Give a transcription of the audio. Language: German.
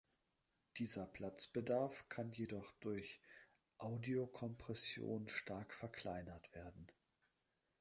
Dieser Platzbedarf kann jedoch durch Audiokompression stark verkleinert werden.